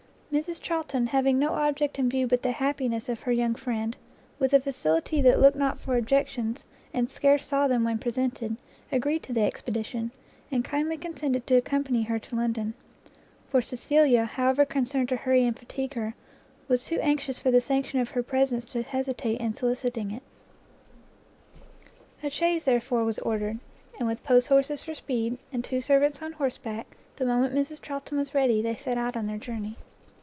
Mrs Charlton, having no object in view but the happiness of her young friend, with a facility that looked not for objections, and scarce saw them when presented, agreed to the expedition, and kindly consented to accompany her to London; for Cecilia, however concerned to hurry and fatigue her, was too anxious for the sanction of her presence to hesitate in soliciting it. A chaise, therefore, was ordered; and with posthorses for speed, and two servants on horseback, the moment Mrs Charlton was ready, they set out on their journey.